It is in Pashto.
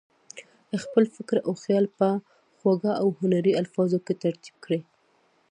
خپل فکر او خیال په خوږو او هنري الفاظو کې ترتیب کړي.